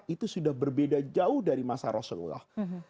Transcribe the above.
itu sudah berbeda jauh dari masa rasulullah